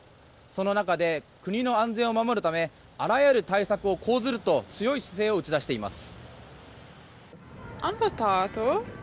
その中で、国の安全を守るためあらゆる対策を講ずると強い姿勢を打ち出しています。